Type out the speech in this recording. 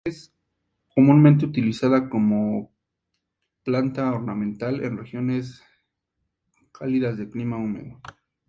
Es comúnmente utilizada como planta ornamental en regiones cálidas de clima húmedo.